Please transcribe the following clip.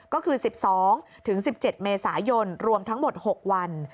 ก็คือ๑๒๑๗เมษายนรวมทั้งหมด๖วัน